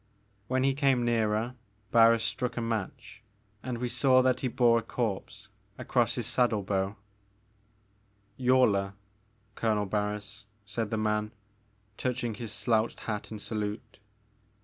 When he came nearer Barns struck a match, and we saw that he bore a corpse across his saddle bow. 64 The Maker of Moons. Yaller, Colonel Bams/' said the man, touch ing his slouched hat in salute.